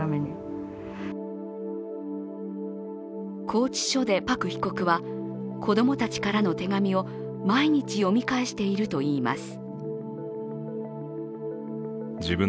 拘置所でパク被告は子供たちからの手紙を毎日読み返しているといいます。